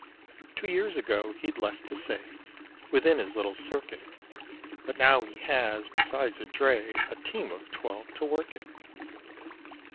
Two years ago he'd less to say Within his little circuit; But now he has, besides a dray, A team of twelve to work it.